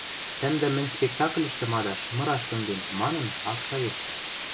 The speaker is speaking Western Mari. «Тӓмдӓм мӹнь спектакльышты мадаш, мыраш тымдем» манын ак шайышт.